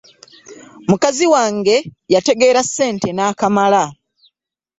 Mukazi wange yategeera ssente n'akamala!